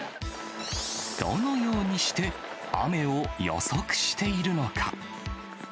どのようにして雨の予測をしているのか。